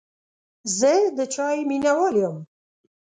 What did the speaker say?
زه د چای مینهوال یم.